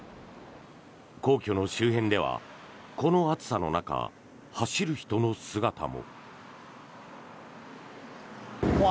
皇居の周辺ではこの暑さの中、走る人の姿も。